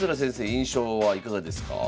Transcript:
印象はいかがですか？